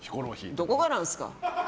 どこがなんすか。